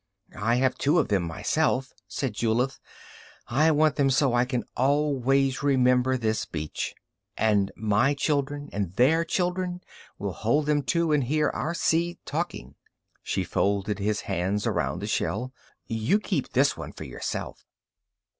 "I have two of them myself," said Julith. "I want them so I can always remember this beach. And my children and their children will hold them, too, and hear our sea talking." She folded his fingers around the shell. "You keep this one for yourself."